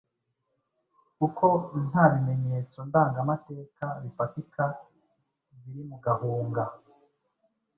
kuko nta bimenyetso ndangamateka bifatika biri mu Gahunga.